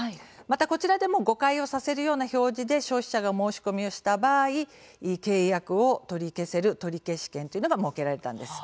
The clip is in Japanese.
また、こちらでも誤解をさせるような表示で消費者が申し込みをした場合契約を取り消せる取消権というのが設けられたんです。